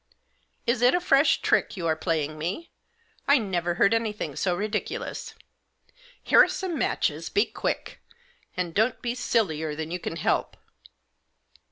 " Is it a fresh trick you are playing me ? I never heard anything so ridiculous. Here are some matches. Be quick ; and don't be sillier than you can help."